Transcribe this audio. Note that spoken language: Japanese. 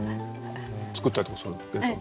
作ったりとかするんですか？